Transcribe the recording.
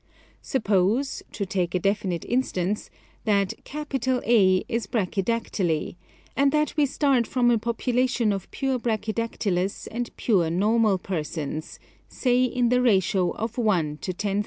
Suppose, to take a definite instance, that A is brachydactyly, and that we start from a population of pure brachydactylous and pure normal persons, say in the ratio of 1 : 10,000.